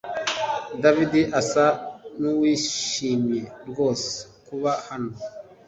David asa nuwishimiye rwose kuba hano